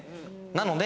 なので。